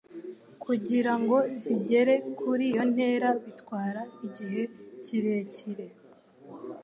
Kugira ngo zigere kuri iyo ntera bitwara igihe kirekire